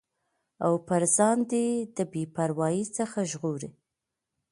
او پر ځان د بې باورٸ څخه ژغوري